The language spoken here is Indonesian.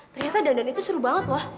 ternyata dandan itu seru banget loh